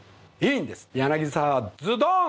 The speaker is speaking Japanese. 「柳沢ズドン！」